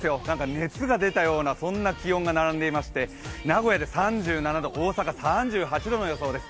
熱が出たようなそんな気温が並んでいまして、名古屋で３７度、大阪３８度の予想です。